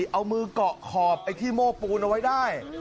เอามือเกาะขอบไอ้ที่โม่ปูนเอาไว้ได้